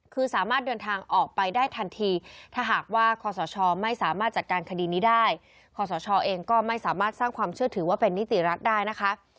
คือสามารถเดินทางออกไปได้ทันทีถ้าหากว่าคอสชไม่สามารถจัดการคดีนี้ได้คอสชเองก็ไม่สามารถสร้างความเชื่อถือว่าเป็นนิติรัฐได้นะคะ